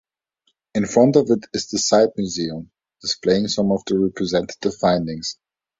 In front of it is the site museum, displaying some of the representative findings.